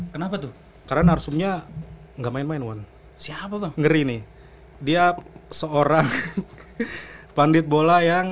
kenapa tuh karena narsumnya enggak main main one siapa tuh ngeri nih dia seorang pandit bola yang